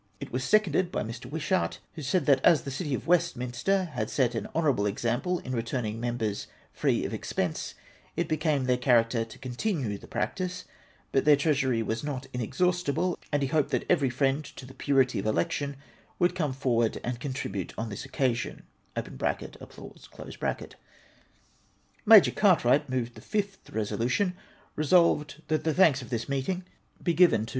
It was seconded by ]Mr. Wisiiart, who said that as the City of Westminster had set an honourable example in re tm ning members free of expense, it became their character to continue the practice : l:)ut their treasiuy was not inex haustible, and he hoped that every friend to tlie purity of election would come forward and contribute on this occasion {applav se^). Major Cartwrigkt moved the fifth resolution :—" Resolved — That the thanks of this Meetincr be iriven to WESTMINSTER ELECTION.